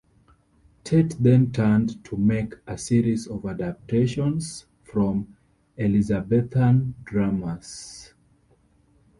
Tate then turned to make a series of adaptations from Elizabethan dramas.